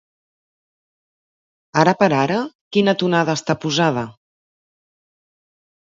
Ara per ara, quina tonada està posada?